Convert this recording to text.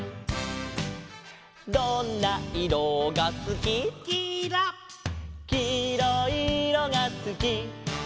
「どんないろがすき」「」「きいろいいろがすき」